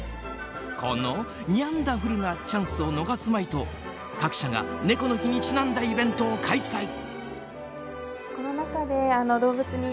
このにゃんダフルなチャンスを逃すまいと各社が猫の日にちなんだイベントを開催。